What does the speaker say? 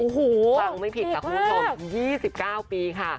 ฟังไม่ผิดค่ะคุณผู้ชม๒๙ปีค่ะ